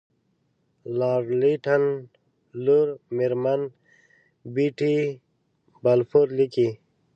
لارډ لیټن لور میرمن بیټي بالفور لیکي.